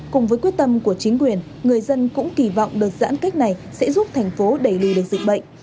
cùng với quyết tâm của chính quyền người dân cũng kỳ vọng đợt giãn cách này sẽ giúp thành phố đẩy lùi được dịch bệnh